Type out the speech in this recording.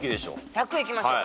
１００いきましょう。